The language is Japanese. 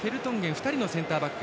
２人のセンターバック。